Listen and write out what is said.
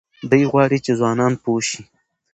دی غواړي چې ځوانان پوه شي.